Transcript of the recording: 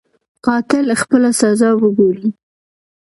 قاتل خپله سزا وګوري.